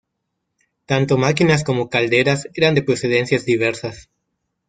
Tanto máquinas como calderas eran de procedencias diversas.